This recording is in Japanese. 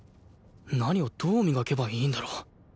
何をどう磨けばいいんだろう？